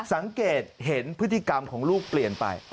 สังเกตเห็นพฤติกรรมของลูกเปลี่ยนไป